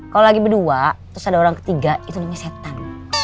kalau lagi berdua terus ada orang ketiga itu namanya setan